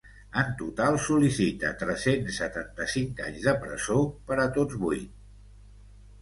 En total, sol·licita tres-cents setanta-cinc anys de presó per a tots vuit.